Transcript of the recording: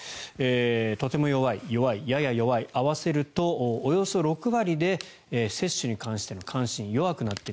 とても弱い、弱い、やや弱い合わせるとおよそ６割で接種に関しての関心が弱くなっている。